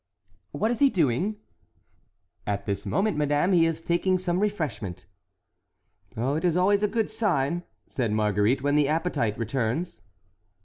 "What is he doing?" "At this moment, madame, he is taking some refreshment." "It is always a good sign," said Marguerite, "when the appetite returns."